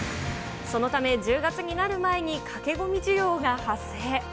そのため、１０月になる前に駆け込み需要が発生。